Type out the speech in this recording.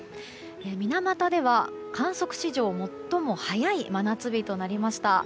水俣では観測史上最も早い真夏日となりました。